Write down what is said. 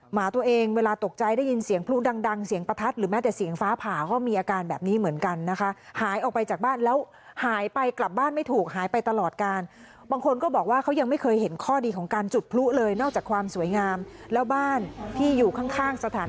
หมาตัวเองเวลาตกใจได้ยินเสียงพลุดังเสียงประทัดหรือแม้แต่เสียงฟ้าผ่า